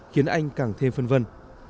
khiến anh càng thêm phân vân